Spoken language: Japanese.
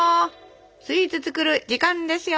スイーツ作る時間ですよ。